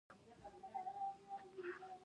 د منډیګک تپه پنځه زره کاله لرغونتوب لري